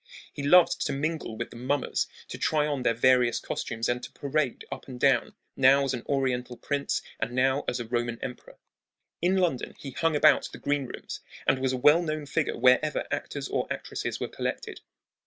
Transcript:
He loved to mingle with the mummers, to try on their various costumes, and to parade up and down, now as an oriental prince and now as a Roman emperor. In London he hung about the green rooms, and was a well known figure wherever actors or actresses were collected.